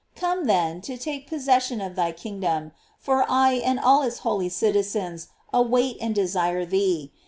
Come then, to take possession of thy kingdom, for I and all its holy citizens await and desire thee.